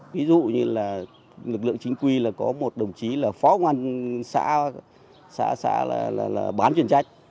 ví dụ như là lực lượng chính quy là có một đồng chí là phó công an xã bán chuyên trách